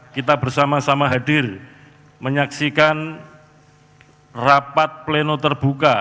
kita bersama sama hadir menyaksikan rapat pleno terbuka